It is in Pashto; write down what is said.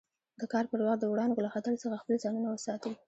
د کار پر وخت د وړانګو له خطر څخه خپل ځانونه وساتي.